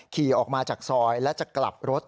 ขี่ออกมาจากซอยและจะกลับรถ